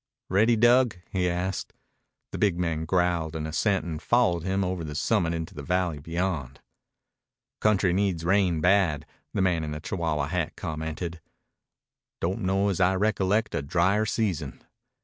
"Ready, Dug?" he asked. The big man growled an assent and followed him over the summit into the valley beyond. "Country needs a rain bad," the man in the Chihuahua hat commented. "Don't know as I recollect a dryer season."